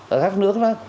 ở các nước đó